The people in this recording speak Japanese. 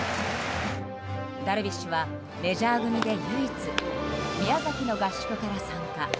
ダルビッシュはメジャー組で唯一宮崎の合宿から参加。